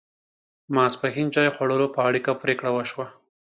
ماپښین چای خوړلو په اړه پرېکړه و شوه.